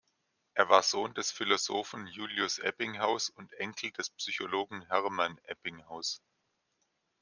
Er war Sohn des Philosophen Julius Ebbinghaus und Enkel des Psychologen Hermann Ebbinghaus.